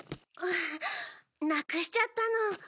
失くしちゃったの。